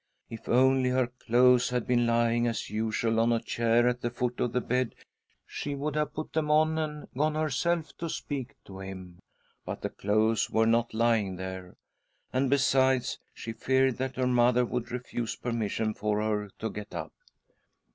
If only her ^clothes had been lying, as usual, on a chair at the foot of the bed, she would have put them on, and gone herself to speak to him. But the clothes were *ri§fc lying there, "and, besides, she feared that her riiother would refuse permission for her to get up.